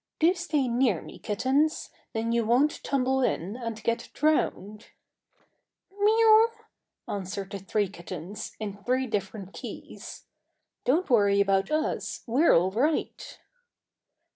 "Do stay near me, kittens; then you won't tumble in and get drowned." "Miew!" answered the three kittens, in three different keys. "Don't worry about us: we're all right!"